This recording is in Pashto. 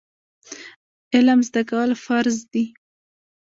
علم زده کول فرض دي